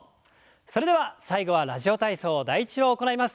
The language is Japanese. それでは最後は「ラジオ体操第１」を行います。